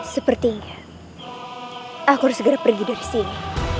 sepertinya aku harus segera pergi dari sini